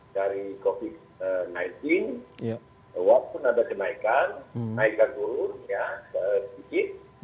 dari covid sembilan belas waktu nabat jenaikan naikan turun sedikit